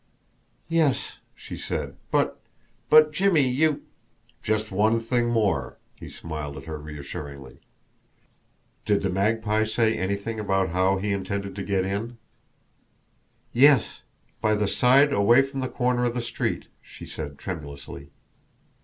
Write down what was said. "Yes," she said. "But but, Jimmie, you " "Just one thing more." He smiled at her reassuringly. "Did the Magpie say anything about how he intended to get in?" "Yes by the side away from the corner of the street," she said tremulously.